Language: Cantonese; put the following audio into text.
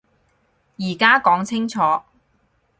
而家講清楚